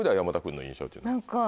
何か。